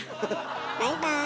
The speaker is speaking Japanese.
バイバーイ。